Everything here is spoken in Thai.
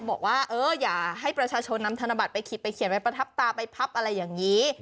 บอกว่าอย่าให้ประชาชนนำธนบัตรไปเขียนไปพับหักไปพับอะไรอย่างนี้